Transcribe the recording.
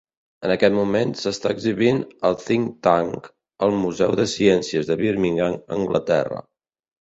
En aquest moment s'està exhibint al Thinktank, al museu de ciències de Birmingham, Anglaterra.